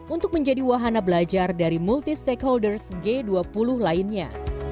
untuk menjadi wahana belajar dari multi stakeholders g dua puluh lainnya